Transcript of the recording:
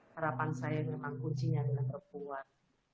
harapan saya memang kuncinya dengan terpuas